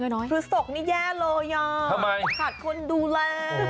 แค่พฤศกนี้แย่เลยอะว่ะเขาขาดคนดูแล